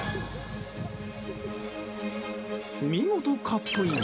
見事カップイン！